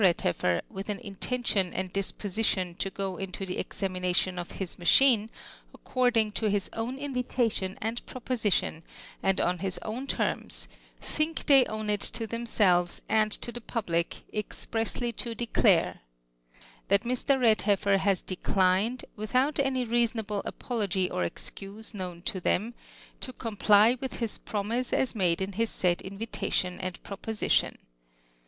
liedheffer, with an intention and dis posilion to g'o into tlie examination of his macliine, according to his own invitation and ])ropoi :ition, and on Jiis own terms, think tliey own it to them selves and to the joublic, expressly to declare : — Tliat Mr. RedhetTer has declined, without any reasonable apolog y or excuse, known to them, to comply with liis promise, as made in his said invitation and proposition.